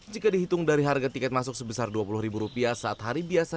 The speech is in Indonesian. jika dihitung dari harga tiket masuk sebesar dua puluh ribu rupiah saat hari biasa